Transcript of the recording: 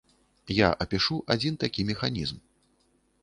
Я апішу адзін такі механізм.